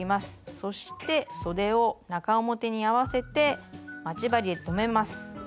そしてそでを中表に合わせて待ち針で留めます。